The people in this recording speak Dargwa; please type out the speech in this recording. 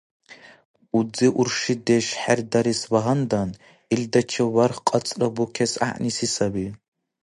Узи-уршидеш хӀердарес багьандан, илдачил барх кьацӀра букес гӀягӀниси саби.